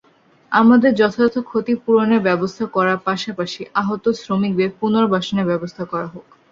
আমাদের যথাযথ ক্ষতিপূরণের ব্যবস্থা করার পাশাপাশি আহত শ্রমিকদের পুনর্বাসনের ব্যবস্থা করা হোক।